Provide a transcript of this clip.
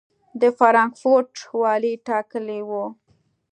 د فرانکفورټ والي ټاکلی و.